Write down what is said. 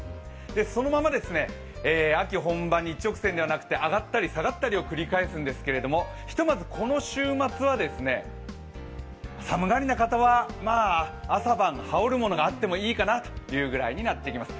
そのまま秋本番に一直線ではなくて上がったり下がったりを繰り返すんですけれども、ひとまずこの週末は寒がりな方は朝晩羽織るものがあってもいいかなというぐらいになってきます。